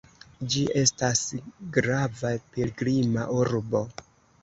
Ĝi estas grava pilgrima urbo.